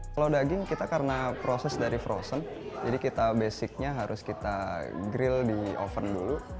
kalau daging kita karena proses dari frozen jadi kita basicnya harus kita grill di oven dulu